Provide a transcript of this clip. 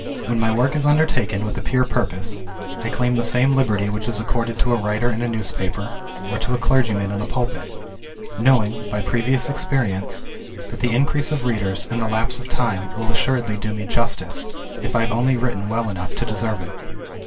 When my work is undertaken with a pure purpose, I claim the same liberty which is accorded to a writer in a newspaper, or to a clergyman in a pulpit; knowing, by previous experience, that the increase of readers and the lapse of time will assuredly do me justice, if I have only written well enough to deserve it.